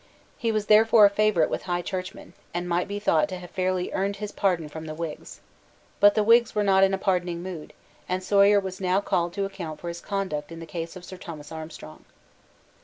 He was therefore a favourite with High Churchmen, and might be thought to have fairly earned his pardon from the Whigs. But the Whigs were not in a pardoning mood; and Sawyer was now called to account for his conduct in the case of Sir Thomas Armstrong.